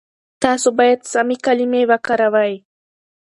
تاسو بايد سمې کلمې وکاروئ.